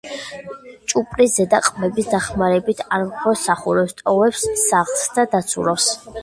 ჭუპრი ზედა ყბების დახმარებით არღვევს სახურავს, ტოვებს „სახლს“ და დაცურავს.